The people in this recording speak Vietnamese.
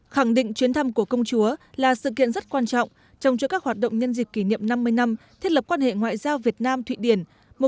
khẳng định chuyến thăm của công chúa là sự kiện rất quan trọng trong cho các hoạt động nhân dịp kỷ niệm năm mươi năm thiết lập quan hệ ngoại giao việt nam thụy điển một nghìn chín trăm sáu mươi chín hai nghìn một mươi chín